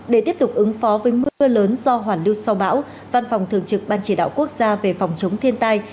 để tiếp tục ứng phó với mưa lớn do hoàn lưu sau bão văn phòng thường trực ban chỉ đạo quốc gia về phòng chống thiên tai